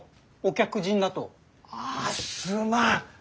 あすまん！